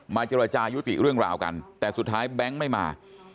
เจรจายุติเรื่องราวกันแต่สุดท้ายแบงค์ไม่มา